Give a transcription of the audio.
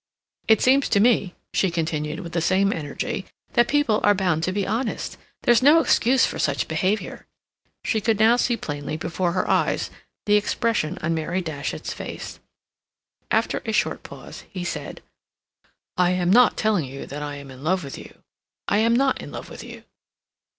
"It seems to me," she continued, with the same energy, "that people are bound to be honest. There's no excuse for such behavior." She could now see plainly before her eyes the expression on Mary Datchet's face. After a short pause, he said: "I am not telling you that I am in love with you. I am not in love with you."